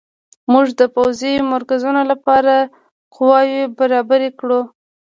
موږ د پوځي مرکزونو لپاره قواوې برابرې کړو.